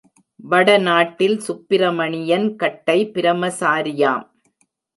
வடநாட்டில் சுப்பிரமணியன் கட்டை பிரமசாரியாம்.